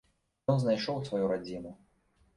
Ён знайшоў сваю радзіму.